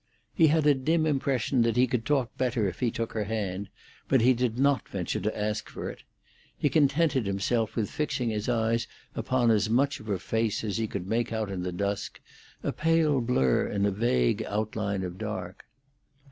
He had a dim impression that he could talk better if he took her hand, but he did not venture to ask for it. He contented himself with fixing his eyes upon as much of her face as he could make out in the dusk, a pale blur in a vague outline of dark.